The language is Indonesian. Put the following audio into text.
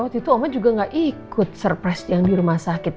waktu itu oman juga gak ikut surprise yang di rumah sakit